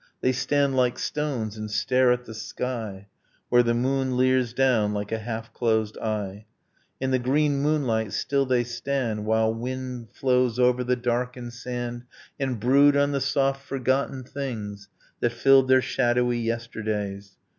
They stand like stones and stare at the sky Where the moon leers down like a half closed eye. .. In the green moonlight still they stand While wind flows over the darkened sand And brood on the soft forgotten things That filled their shadowy yesterdays.